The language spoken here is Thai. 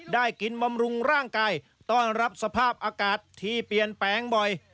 ได้กินบำรุงร่างกายต้อนรับสภาพอากาศที่เปลี่ยนแปลงบ่อย